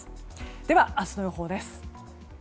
では、明日の予報です。